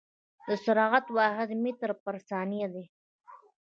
د سرعت واحد متر پر ثانيه ده.